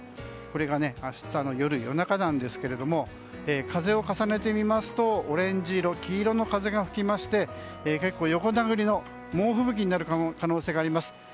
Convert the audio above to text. これが明日の夜中なんですが風を重ねてみますとオレンジ色、黄色の風が吹いて結構、横殴りの猛吹雪になる可能性があります。